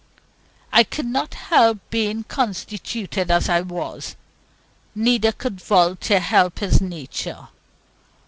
I could not help being constituted as I was, neither could Voltaire help his nature.